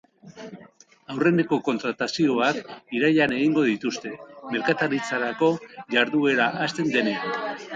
Aurreneko kontratazioak irailean egingo dituzte, merkataritzako jarduera hasten denean.